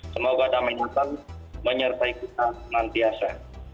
semoga taman natal menyertai kita dengan biasa